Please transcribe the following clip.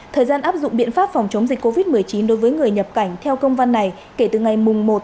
thời gian áp dụng biện pháp phòng chống dịch covid một mươi chín đối với người nhập cảnh theo công văn này kể từ ngày một một hai nghìn hai mươi